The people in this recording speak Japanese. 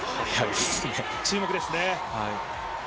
注目ですね。